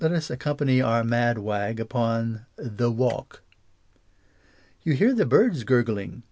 us accompany our mad wag upon " The walk." "You hear the bird's gurgling?"